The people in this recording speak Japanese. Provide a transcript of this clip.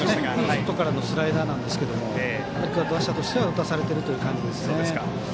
外からのスライダーですが打者としては打たされているという感じですね。